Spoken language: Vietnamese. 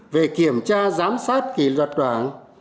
về kiểm tra giám sát kỳ luật đoạn